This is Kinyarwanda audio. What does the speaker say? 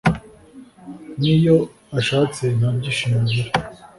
Niyo ashatse nta byishimo agira